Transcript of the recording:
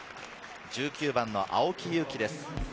１９番の青木祐樹です。